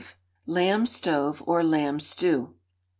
Lamb Stove or Lamb Stew.